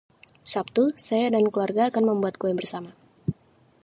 Sabtu, saya dan keluarga akan membuat kue bersama.